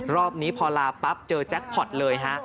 รอบนี้พอลาปั๊บเจอแจ็คพอร์ตเลยฮะ